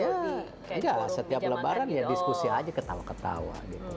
enggak setiap lebaran ya diskusi aja ketawa ketawa gitu